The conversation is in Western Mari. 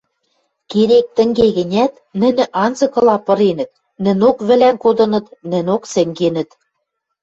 Керек тӹнге гӹнят нӹнӹ анзыкыла пыренӹт, нӹнок вӹлӓн кодыныт, нӹнок сӹнгенӹт.